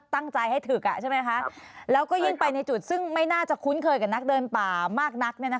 ตั้งใจให้ถึกใช่ไหมคะแล้วก็ยิ่งไปในจุดซึ่งไม่น่าจะคุ้นเคยกับนักเดินป่ามากนัก